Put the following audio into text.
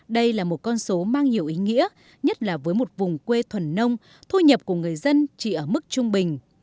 đây là một con số mang nhiều ý nghĩa nhất là với một vùng quê thuần nông thu nhập của người dân chỉ ở mức trung bình